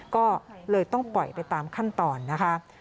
ก็เลยต้องปล่อยไปตามขั้นตอนนะคะ